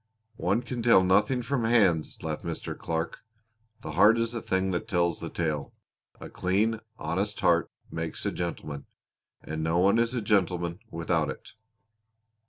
"One can tell nothing from hands," laughed Mr. Clark. "The heart is the thing that tells the tale. A clean, honest heart makes a gentleman, and no one is a gentleman without it."